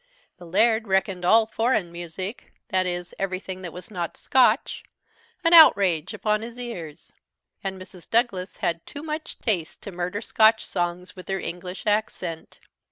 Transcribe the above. The Laird reckoned all foreign music i.e. everything that was not Scotch an outrage upon his ears; and Mrs. Douglas had too much taste to murder Scotch songs with her English accent.